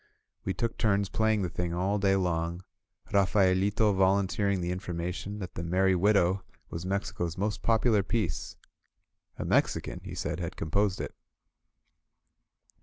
We took turns playing the thing all day long; Rafaelito volunteering the information , that the "Merry Widow" was Mexico's most popular piece. A Mexican, he said, had composed it.